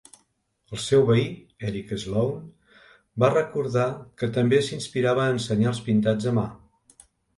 El seu veí, Eric Sloane, va recordar que també s'inspirava en senyals pintats a mà.